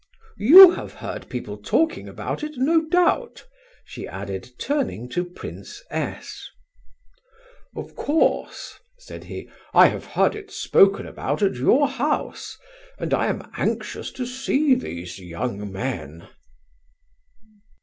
You have heard people talking about it, no doubt?" she added, turning to Prince S. "Of course," said he. "I have heard it spoken about at your house, and I am anxious to see these young men!"